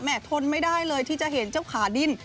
ทนไม่ได้เลยที่จะเห็นเจ้าขาดิ้น